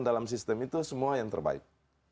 dalam sistem itu semua yang terbaik